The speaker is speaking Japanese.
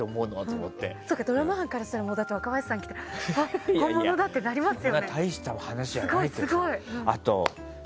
ってドラマ班からしたら若林さんが来たらあっ、本物だ！ってなりますよね。